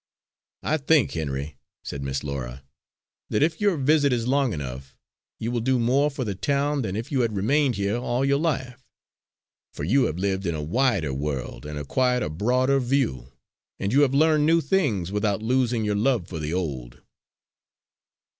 "I think, Henry," said Miss Laura, "that if your visit is long enough, you will do more for the town than if you had remained here all your life. For you have lived in a wider world, and acquired a broader view; and you have learned new things without losing your love for the old."